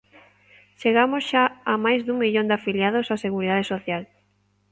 Chegamos xa a máis dun millón de afiliados á Seguridade Social.